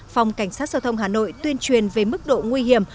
phòng cảnh sát giao thông hà nội tuyên truyền về mức độ nguy hiểm